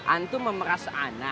antum memeras ana